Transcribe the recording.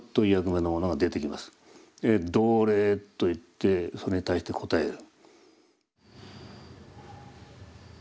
「どれ」と言ってそれに対して答える。